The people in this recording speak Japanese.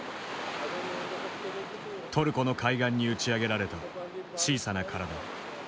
トルコの海岸に打ち上げられた小さな体。